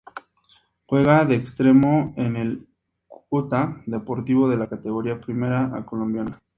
Juega de extremo en el Cúcuta Deportivo de la Categoría Primera A colombiana.